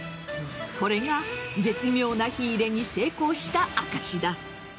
これが絶妙な火入れに成功した証しだ。